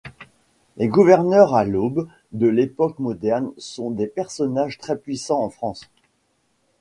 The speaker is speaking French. Les gouverneurs à l'aube de l'époque moderne sont des personnages très puissants en France.